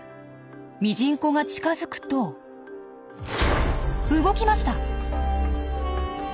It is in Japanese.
ミジンコが近づくと動きました！